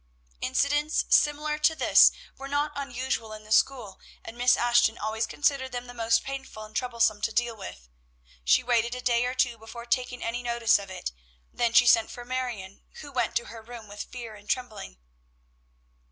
Incidents similar to this were not unusual in the school, and Miss Ashton always considered them the most painful and troublesome to deal with. She waited a day or two before taking any notice of it, then she sent for Marion, who went to her room with fear and trembling.